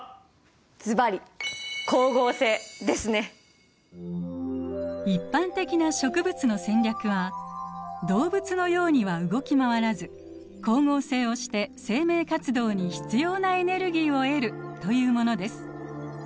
ずばり一般的な植物の戦略は動物のようには動き回らず光合成をして生命活動に必要なエネルギーを得るというものです。